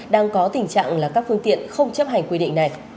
đang có tình trạng là các phương tiện không chấp hành quy định này